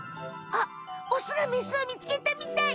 あっオスがメスを見つけたみたい！